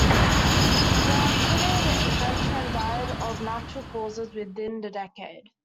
The acquitted Zechman died of natural causes within the decade.